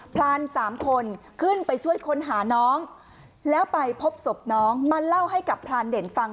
พรานสามคนขึ้นไปช่วยค้นหาน้องแล้วไปพบศพน้องมาเล่าให้กับพรานเด่นฟัง